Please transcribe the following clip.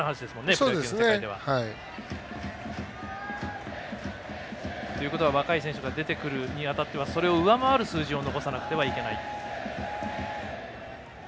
プロ野球の世界では。ということは、若い選手が出てくるにあたってはそれを上回る数字を残さなくてはいけない。